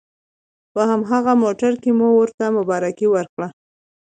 په هماغه موټر کې مو ورته مبارکي ورکړه.